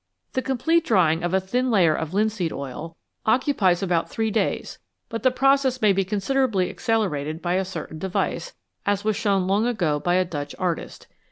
The complete drying of a thin layer of linseed oil 240 FATS AND OILS occupies about three days, but the process may be con siderably accelerated by a certain device, as was shown long ago by a Dutch artist.